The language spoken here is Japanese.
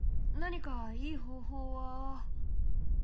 何かいい方法は。